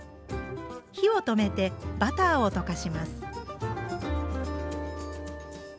火を止めてバターを溶かします。